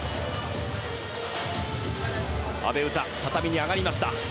阿部詩、畳に上がりました。